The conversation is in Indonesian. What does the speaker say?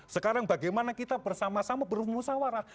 sekarang bagaimana kita bersama sama bermusawarah